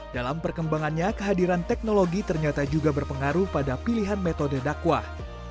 dalam perkembangannya kehadiran teknologi ternyata juga berpengaruh pada pilihan metode dakwah